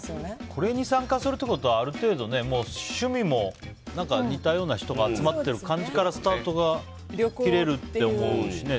これに参加するってことはある程度趣味も似たような人が集まってる感じからスタートが切れると思うしね。